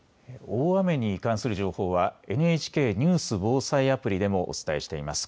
大雨に関する情報はＮＨＫニュース・防災アプリでもお伝えしています。